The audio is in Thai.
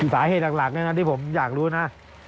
สาเหตุหลักเนี่ยนะที่ผมอยากรู้นะ